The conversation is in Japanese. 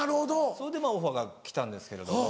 それでオファーが来たんですけれども。